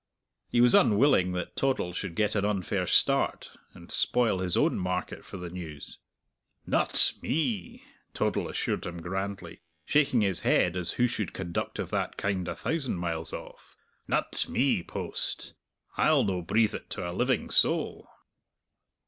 He was unwilling that Toddle should get an unfair start, and spoil his own market for the news. "Nut me!" Toddle assured him grandly, shaking his head as who should conduct of that kind a thousand miles off "nut me, Post! I'll no breathe it to a living soul."